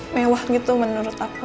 mewah gitu menurut aku